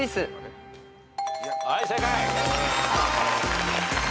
はい正解。